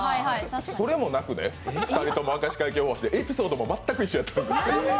それもなくね、２人とも明石海峡大橋でエピソードも全く一緒やったんです。